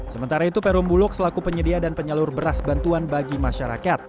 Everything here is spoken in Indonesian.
sementara itu perum bulog selaku penyedia dan penyalur beras bantuan bagi masyarakat